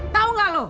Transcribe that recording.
tau gak lo